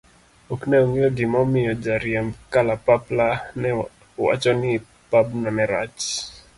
okne ong'eyo gima omiyo ja riemb kalapapla ne wacho ni pabno ne rach.